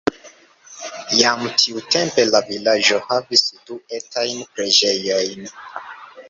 Jam tiutempe, la vilaĝo havis du etajn preĝejojn.